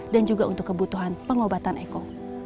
dan juga untuk kebutuhan pengobatan eko